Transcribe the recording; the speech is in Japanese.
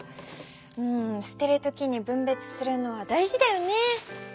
うんすてる時にぶんべつするのは大事だよね。